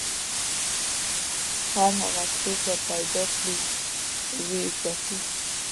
هر هغه څوک راپیدا کړي ویې ځپي